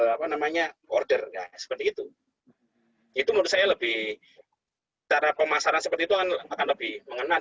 apa namanya order seperti itu itu menurut saya lebih cara pemasaran seperti itu akan lebih mengenal